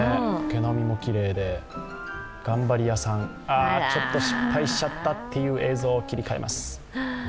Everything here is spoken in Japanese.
毛並みもきれいで、頑張り屋さんちょっと失敗しちゃったという映像、切り替えます。